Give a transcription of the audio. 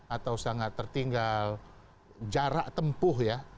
atau sangat tertinggal jarak tempuh ya